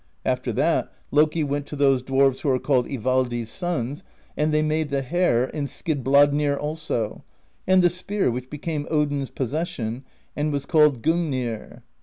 After that, Loki went to those dwarves who are called Ivaldi's Sons; and they made the hair, and Skidbladnir also, and the spear which became Odin's pos session, and was called Gungnir.